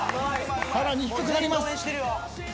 さらに低くなります。